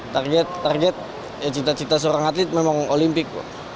target target cita cita seorang atlet memang olimpik